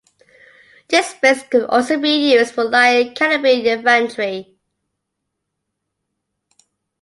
This space could also be used for light calibre infantry.